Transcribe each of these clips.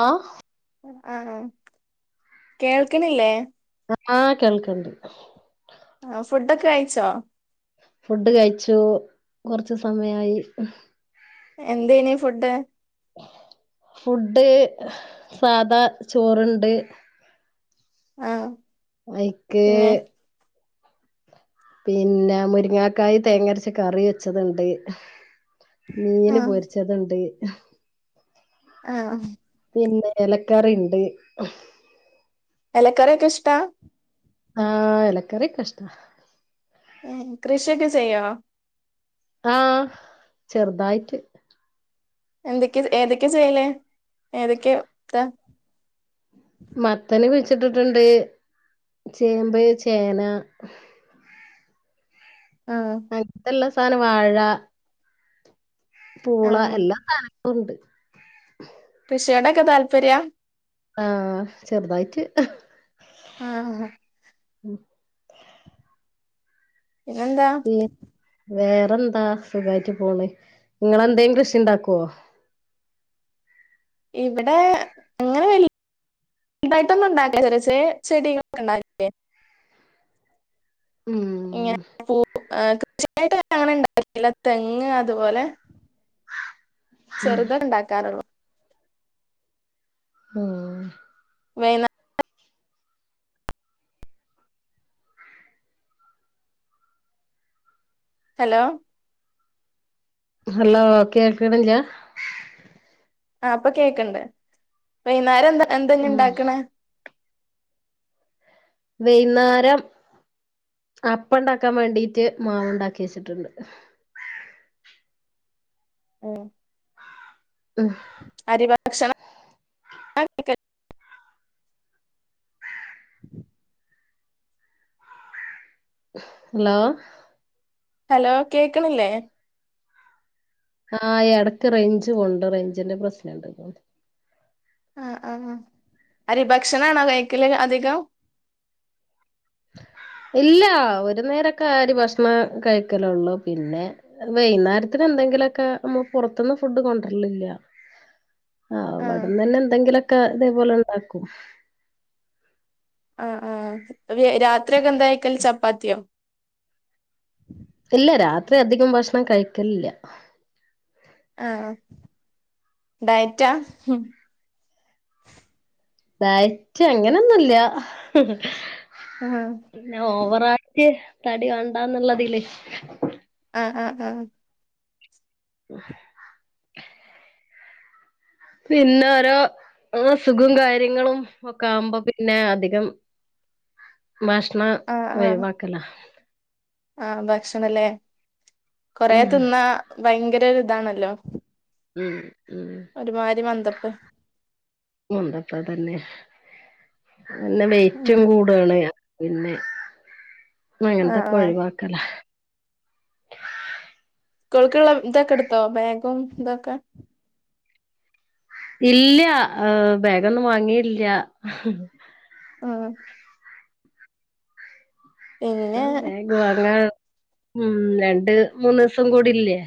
ആ ആ ആ കേൾക്ക്ണില്ലേ? ആഹ് കേൾക്ക്ണ്ട്. ആ ഫുഡൊക്കെ കഴിച്ചോ? ഫുഡ് കഴിച്ചു കൊറച്ച് സമയായി. എന്തേനി ഫുഡ്. ഫുഡ് സാദാ ചോറ്ണ്ട്. ആഹ് അയ്ക്ക് പിന്നെ പിന്നെ മുരിങ്ങാക്കായ് തേങ്ങരച്ച കറി വെച്ചത്ണ്ട്. മീന് ആഹ് പൊരിച്ചത്ണ്ട്. ആ ഹ പിന്നെ എലക്കറിണ്ട്. എലക്കറി ഒക്കെ ഇഷ്ട? ആഹ് എലക്കറി ഒക്കെ ഇഷ്ട. ഏ കൃഷിയൊക്കെ ചെയ്യോ? ആഹ് ചെറുതായിട്ട്. എന്തൊക്കെ ചെ ഏതൊക്കെ ചെയ്യല് ഏതൊക്കെ ത്ത മത്തനും കുഴിച് ച്ചിട്ടിട്ട്ണ്ട് ചേമ്പ്, ചേന ആഹ് [unintelligible] ഇള്ള [unintelligible] വാഴ പൂള ആഹ് എല്ലാ സാന ഉണ്ട് കൃഷിയോടൊക്കെ താല്പര്യ? ആഹ ചെറുതായിട്ട് ആഹ പിന്നെന്താ പി വേറെന്താ സുഖായിട്ടു പോണ് നിങ്ങൾന്തേ കൃഷി ഇണ്ടാക്കോ ഇവിടെ അങ്ങനെ വിലിയതായിട്ടൊന്ന ഉണ്ടാക്ക ചെറിയ ചെറിയ ചെടികളക്ക ഉണ്ടാക്ക ഉം ഇങ്ങന [unintelligible] [unintelligible] തെങ്ങ് അതുപോലെ ചെറുതെണ്ടാക്കാറുള്ളൂ ആഹ് വൈനാ [unintelligible] ഹലോ ഹലോ കേൾക്കുണില്ല ആ പ്പൊ കേക്ക്ണ്ട് വൈന്നേരെന്താ എന്തെഞ്ഞി ഉം ണ്ടാക്കണെ വൈന്നേരം അപ്പണ്ടാക്കാൻ വേണ്ടിട്ട് മാവ് ഉണ്ടാക്കി വെച്ചിട്ടുണ്ട് ആ ഹ ഹ് അരിഭക്ഷണം [unintelligible] ഹലോ ഹലോ കേക്കണില്ലേ ആ ഇടക്ക് റെയിഞ്ച് പോണുണ്ട് റെഞ്ചിന്റെ പ്രശ്നണ്ട് ആ ആ അ അരി ഭക്ഷണ ആണോ കഴിക്കല് അധികം ഇല്ല ഒരു നേരൊക്കെ ആരി ഭക്ഷണം കഴിക്കലള്ളു പിന്നെ വൈന്നേരത്തിന് എന്തെങ്കിലൊക്കെ മ്മ പുറത്തന്ന് ഫുഡ് കൊണ്ടരലില്ല ആഹ് അവടുന്ന ന്നെ എന്തെങ്കിലുക്കെ ഇതേപോലെ നടക്കും [inaudible] ആഹ ആഹ രാത്രിയക്കെ എന്താ കഴിക്കല് ചപ്പാത്തിയോ ഇല്ല രാത്രി അധികം ഭക്ഷണം കഴിക്കില്ല ആഹ ഡയറ്റാ ഡയറ്റ് അങ്ങനെയൊന്നുംല്ല ആഹ് പിന്നെ ഓവറ തടി വേണ്ടാന്നുള്ളതില്ലേ ആ ആ ആ ഉ [inaudible] പിന്നെ ഓരോസുഖം കാര്യങ്ങളും ഒക്കെ ആകുമ്പോ പിന്നെ അധികം ഭക്ഷണ ഒഴിവാക്കലാ ആ ഭക്ഷണല്ലേ കൊറേ ഉം തിന്ന ഭയങ്കര ഇതാണല്ലോ ഉം ഉം ഒരുമാരി മന്തപ്പ് പ്പതന്നെ അന്ന മൈറ്റും ഉം കൂടുണ് പിന്നെ [unintelligible] ആഹ് തക്ക ആഹ് ഒഴിവാക്കല കോൾക്കുള്ള ഇതൊക്കടുത്തോ ബഗും ഇതൊക്കെ ഇല്ല ബാഗൊന്നും വാങ്ങിയില്ല. ആ പിന്നെ [unintelligible] ഉം രണ്ട് മൂന്ന്സം കൂടില്ലേ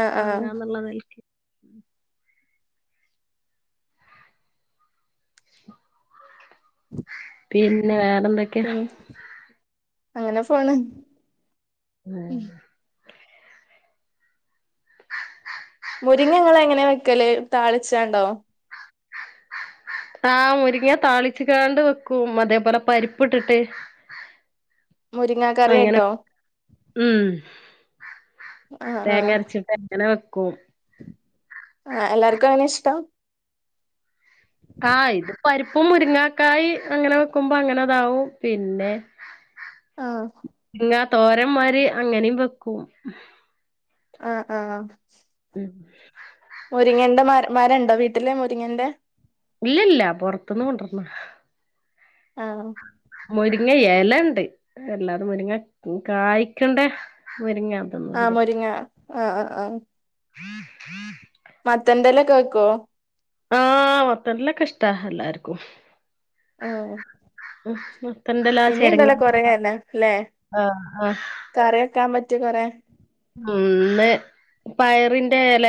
ആഹ് ആഹ് വാങ്ങാന്നുള്ള നൽക്ക് പിന്ന വേറെ ന്തൊക്കെയാ പിൻ അങ്ങനെ പോണ് ഹ ഉം [inaudible] മുരിങ്ങ ഇങ്ങള് എങ്ങെന വെക്കല് താളിച്ചാണ്ടോ ആഹ മുരിങ്ങ താളിച്ച്ക്കാണ്ട് വെക്കും അതേപോലെ പരിപ്പ് ഇട്ടിട്ട് മുരിങ്ങ കറിയിട്ടോ ഉം ആഹ തേങ്ങ ആഹ അരച്ചിട്ട് അങ്ങനെ വെക്കും ആ എല്ലാർക്കും അങ്ങനെ ഇഷ്ടം ആഹ് ഇത് പരിപ്പും മുരുങ്ങാക്കായ് അങ്ങനെ വെക്കുമ്പോ അങ്ങനെതാവും പിന്നെ ആഹ് മുരിങ്ങ തോരന്മാരി അങ്ങനെയ വെക്കും ആഹ് ആഹ് [inaudible] മുരിങ്ങൻന്റെ മരമരണ്ടോ വീട്ടിലെ മുരിങ്ങന്റെ ഇല്ലല്ല പുൊറത്തുന്ന് കൊണ്ടിർണം ആഹ് മുരിങ്ങ എലണ്ട് എല്ലാ തെ മുരിങ്ങ കായ്ക്കണ്ട മുരിങ്ങ ആ അതൊന്നുല്ല മൊരിങ്ങ ആഹ ആഹ ആഹ [inaudible] മത്തൻ്റെ ല ക്കെ വെക്കോ ആഹ മത്തൻ്റെലക്കെഷ്ട്ടഎല്ലാർക്കും ആഹ ഉ് ഉ പിന്നീ ണ്ടല്ലാ കുറ എലലെ ആഹ് ആഹ് കറി വെക്കാ പറ്റ് റ്റിയെ ക്കുറെ ഒന്ന് പയറിന്റെ ഇല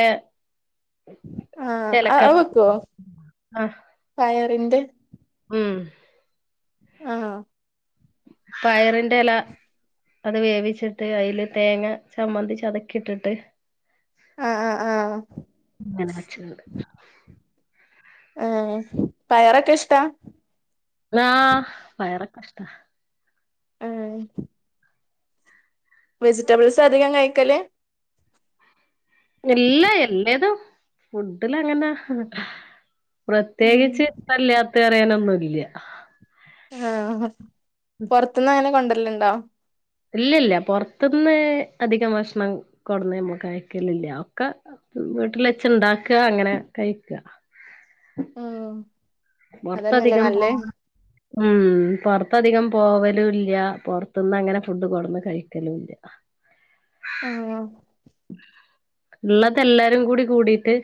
ആഹ അത്വക്കോ ആ എന്ത് ഉം ആഹ് പയറിന്റെ ഇല അത് വേവിച്ചിട്ട് അതില് തേങ്ങ ചമ്മന്തി ചതച്ച് ഇട്ടിട്ട് ആഹ് ആഹ് ആഹ് പിനച്ചുണ്ട് ആ പയറൊക്കെ ഇഷ്ടാ ആ പയറ് അഷ്ട ആഹ് വെജിറ്റബിൾസ് അധികം കഴിക്കല് എല്ലാ എല്ലേതും ഫുഡിലങ്ങനെ ഉം പ്രത്യേകിചിഷ്ടല്ലാത്ത അറിയാനൊന്നുംല്ല പുറത്തുന്ന് അങ്ങനെ കൊണ്ട ണ്ടോ ഇല്ലല്ല പുറത്തന്ന് അധികം ഭക്ഷണം കൊണ്ടന്ന്മ്മ കഴിക്കലില്ല ഒക്കെ വീട്ടില വച്ച ഇണ്ടാക്കുക അങ്ങനെ കഴിക്കുക ഉം അതന്നെല്ലേ പുറത്തധികം പോ നല്ലേ ഉം പുറത്തധികം പോവലുംല്ല പുറത്തന്ന് അങ്ങനെ ഫുഡ് കൊടുന്ന് കഴിക്കലുംല്ല ആഹ് ആഹ് ഉള്ളതെല്ലാരും കൂടി കൂടീട്ട്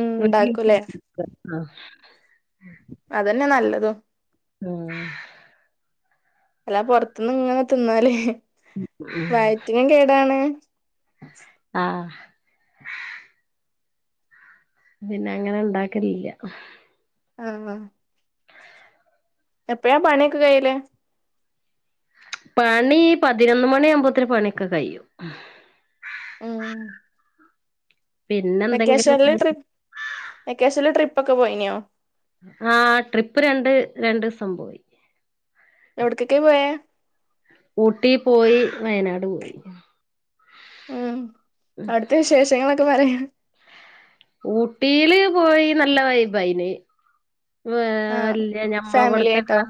ഉം ഉണ്ടാക്കൂലേ [unintelligible] അതന്നെ നല്ലതും. ആ അല്ലാ പുറത്തുന്നും ഇങ്ങനെ തിന്നാലേ വയറ്റിനും കേടാണ്. ആഹ് പിന്നെ അങ്ങനെ ഉണ്ടാക്കലില്ല. ആ ആ എപ്പഴാ പണിയൊക്കെ കഴിയല്. പണി പതിനൊന്ന് മണി ആവുമ്പോത്തിരി പണിയൊക്കെ കഴിയും ഉം പിന്നെ എന്തെങ്കിലും വെക്കേഷനില് ട്രിപ്പ്‌ വെക്കേഷനില് ട്രിപ്പ് പ്പൊക്കെ പോയിനോ? ആ ട്രിപ്പ് രണ്ട് രണ്ട് സം പോയി. എവിടത്തെക്ക പോയേ? ഊട്ടി പോയി, വയനാട് പോയി. ഉം അവിടുത്തെ വിശേഷങ്ങളൊക്കെ പറയാ ഊട്ടിയില് പോയി നല്ല വൈബ് ആയിന്. വ് ആഹ് അല്ല ഫാമിലി ഞമ്മളവിടുത്തെ ആയിട്ടോ കാല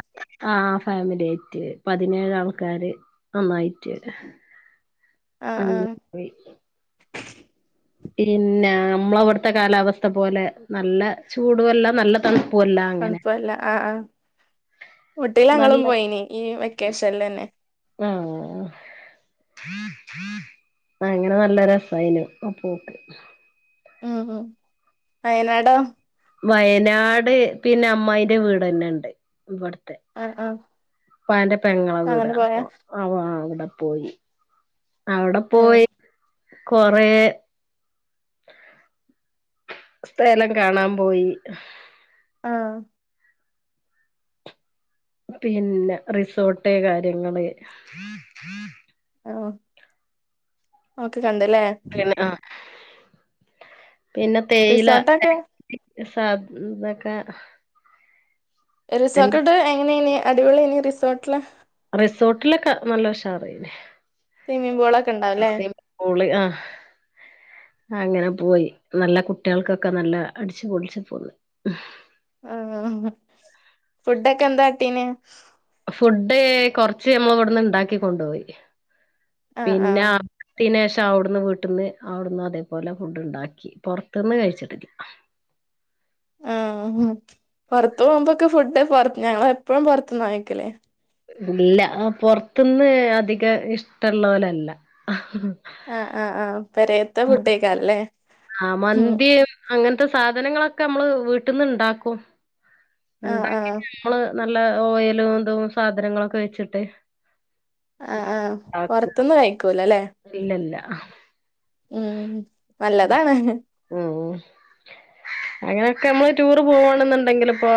ആ ഫാമില്യയിട്ട് പതിനേഴാൾക്കാര് ഒന്നായിട്ട് അ ആഹ് ആഹ് [unintelligible] പിന്നെ അമ്മളവട്ത്തെ കാലാവസ്ഥ പോലെ നല്ല ചൂടുഅല്ല നല്ല തൺ തൺപ്പുഅല്ല ആഹ് ആ മുട്ടില ങ്ങളും നല്ല പോയിനി ഈ വെക്കേഷൻലെന്നെ ആഹ്‌ അങ്ങനെ നല്ല രസായിനു ആ പോക്ക് ഉം ഉം വയനാടോ വയനാട് പിന്നമ്മായിന്റെ വീടന്നെണ്ട് ഇവട് ക്കെ. ആഹ് ആഹ് പ്പാന്റെ പെങ്ങളെ വീട് അങ്ങനെ പോയാ അപ്പൊ അവ അ പോയി അവടെ ഉം പോയി കൊറേ സ്ഥലം കാണാൻ പോയി ആഹ്‌ പിന്നെ റിസോട്ട് കാര്യങ്ങള് ആഹ് അഹ്‌ കേ പിന്നെ ആഹ്‌ പിന്നെ തേയില റിസോർട്ടൊക്കെ സാധാക്ക [unintelligible] റിസോക്കട്ട് എങ്ങനേനി അടിപൊളി ഏനി റിസോട്ടില് റിസോട്ടിലക്കെ നല്ല ഉഷാറേനി സ്വിമ്മിംഗ പൂളൊക്കെ ഉണ്ടാവല്ലേ മുസ്ലിം സ്കൂള് ആഹ് അങ്ങനെ പോയി. നല്ല കുട്ട്യാൾക്കൊക്കെ നല്ല അടിച്ചുപൊളിച്ചു പോന്ന് ആഹ്‌ ഫുഡൊക്കെന്താട്ടീന് ഫുഡ്ഡ് കൊർച്ച് ഞമ്മള് വട്ന്ന്ണ്ടാക്കി കൊണ്ടോയി പിന്നെ ആഹ് [unintelligible] പക്ഷ അവിടുന്ന് വീട്ടന്ന് അവിടുന്ന് അതേപോലെ ഫുഡ് ഉണ്ടാക്കി പുൊറത്തുന്ന് കഴിച്ചിടില്ല ആഹ് പുറത്തു പോകുമ്പോൊക്കെ ഫുഡത്ത് ഞങ്ങ എപ്പഴും പുറത്ത് എന്ന് വാങ്ങിക്കലേ ഇല്ല ആഹ് പുൊറത്തന്ന് അധിക ഇഷ്ടമുള്ള പോലല്ല ആഹ് ആ്ഹ് ആ്ഹ് പെരയത്ത ഫുഡേക്കാല്ലേ ആഹ് മന്തിയും അങ്ങനത്തെ സാധനങ്ങളൊക്കെ നമ്മള് വീട്ടിൽന്ന് ഇണ്ടാക്കും ആഹ് ഉണ്ടാക്കി ആഹ് ഞമ്മള് നല്ല ഓയിൽലും എന്തും സാധനങ്ങളൊക്കെ വെച്ചിട്ട് ആഹ് ആഹ് പുറത്തൊന്നും കഴിക്കല അല്ലേ ഇല്ല ഇല്ല ഉം നല്ലതാണ്. അങ്ങനെ ഒക്കെ നമ്മള് ടൂറ് പോവാണെന്നുണ്ടെങ്കിൽ ഇപ്പോ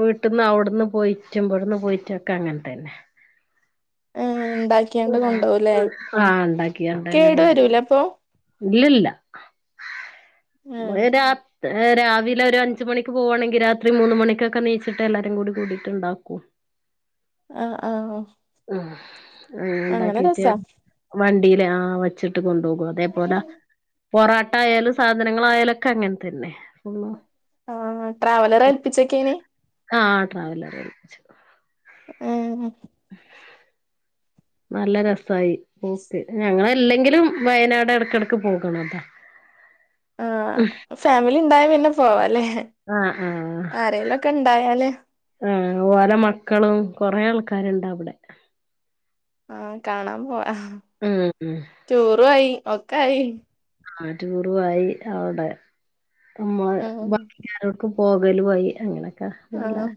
വീട്ട്ന്ന് അവിടുന്ന് പോയിറ്റും ഇവിടുന്ന് പോയിറ്റൊക്കെ അങ്ങനത്തന്നെ. ഏഹ് ഉണ്ടാക്കിയാണ്ട് കൊണ്ടോവുല്ലേ മ്ം ആ ഉണ്ടാക്കിയണ്ടന്നെ കേടു വരൂലേ കൊണ്ടോകും അപ്പൊ ഇല്ലല്ല ആഹ് [unintelligible] രാത് ഏ രാവിലെ ഒരു അഞ്ച് മണിക്ക് പോവാണെങ്കി രാത്രി മൂന്ന് മണിക്കൊക്കെ ണീച്ചിട്ട് എല്ലാരും കൂടി കൂടിയിട്ട് ഇണ്ടാക്കും. ആഹ ആഹ് ആ ആഹ് അങ്ങനെ ഉണ്ടാക്കീട്ട് രസാ വ [unintelligible] വെച്ചും ട്ട് കൊണ്ടോകും അതേപോലെ പൊറാട്ട ആയാലും സാധനങ്ങളായാലൊക്കെ അങ്ങനെ തന്നെ ആഹ് ട്രാവലർ ഏൽപ്പിച്ചേക്കേനി [unintelligible] ആഹ് ട്രാവലർ ഏൽപിച്ച് ഉം നല്ല രസായി പോക്ക് ഞങ്ങളല്ലെങ്കിലും വയനാട് എടക്കെടക്ക് പോകണതാ. ആഹ് ഫേമിലി ഇണ്ടായാ പിന്നെ പോവാലേ ആഹ് ആരെലും ഒക്കെ ഇണ്ടായാല് ആ ഓരെ മക്കളും കൊറേ ആൾക്കാരിണ്ട് അവടെ ആ കാണാൻ പോവാ ആഹ് ഉം ഉം ടൂറു ആയി ഒക്കെ ആയി ആ ടൂറു ആയി അവിടെ ഉം [unintelligible] പോകലു ആയി അങ്ങനെ [unintelligible] നല്ല ആഹ്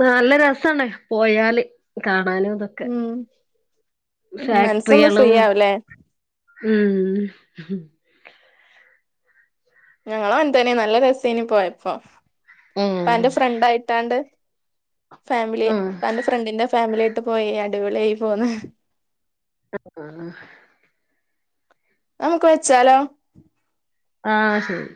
നല്ല രസണ്ട് പോയാല് കാണാ- ഉം മനസ്സൊന്നു ഫ്രീ ആവുഅല്ലേ മ്ം ഞങ്ങളോ എന്തെനു നല്ല രസേന പോയപ്പോ ഉം ഇപ്പാന്റെ ഫ്രണ്ടായിട്ടാണ്ട്- ഫാമിലി ആഹ് എന്റെ ഫ്രണ്ടിന്റെ ഫാമിലി പോയി അടിപൊളിയായി പോന്ന് ആഹ നമ്മുക്ക് വെച്ചാലോ ആഹ ശരി